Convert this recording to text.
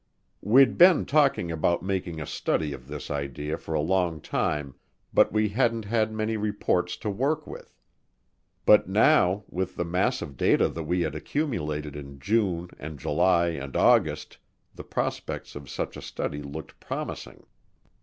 We'd been talking about making a study of this idea for a long time, but we hadn't had many reports to work with; but now, with the mass of data that we had accumulated in June and July and August, the prospects of such a study looked promising.